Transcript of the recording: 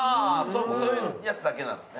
そういうやつだけなんですね。